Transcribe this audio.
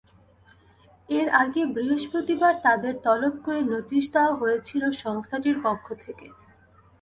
এর আগে বৃহস্পতিবার তাঁদের তলব করে নোটিশ দেওয়া হয়েছিল সংস্থাটির পক্ষ থেকে।